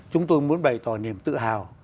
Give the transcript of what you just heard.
chúng tôi muốn bày tỏ niềm tự hào